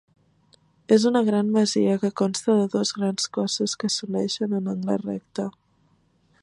És una gran masia que consta de dos grans cossos que s'uneixen en angle recte.